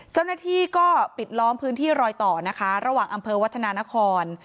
เจ้าหน้าที่ก็ปิดล้อมพื้นที่รอยต่อนะคะระหว่างอำเภอวัฒนานคร